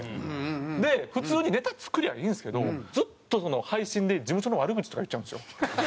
普通にネタ作りゃいいんですけどずっとその配信で事務所の悪口とか言っちゃうんですよ。